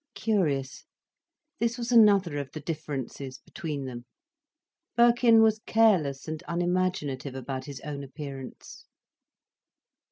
Curious! This was another of the differences between them. Birkin was careless and unimaginative about his own appearance.